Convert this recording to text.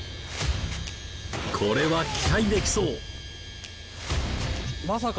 これは期待できそうまさか？